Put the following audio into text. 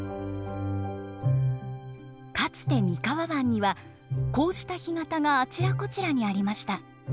かつて三河湾にはこうした干潟があちらこちらにありました。